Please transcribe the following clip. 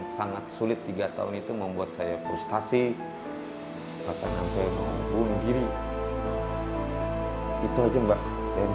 sangat sulit tiga tahun itu membuat saya frustasi kata kata yang wong giri gitu aja mbak ya enggak